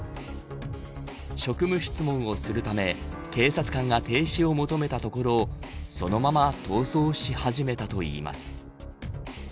職務質問をするため警察官が停止を求めたところそのまま逃走し始めたといいます。